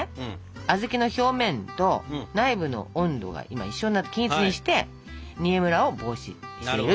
小豆の表面と内部の温度が今一緒になって均一にして煮えむらを防止していると。